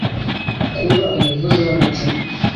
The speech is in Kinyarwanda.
kuba umuvuzi w’amacumu.